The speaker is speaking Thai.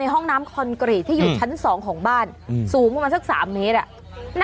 ห้องน้ำคอนกรีตที่อยู่ชั้น๒ของบ้านสูงประมาณสัก๓เมตร